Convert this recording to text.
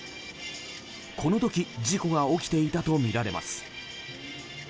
この時、事故が起きていたとみられます。